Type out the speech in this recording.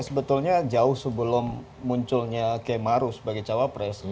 sebetulnya jauh sebelum munculnya kiai ma'ruf sebagai cawapres